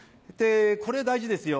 これ大事ですよ